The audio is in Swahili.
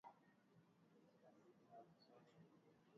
jean kambanda alikubali mashtaka yalikuwa yakimkabili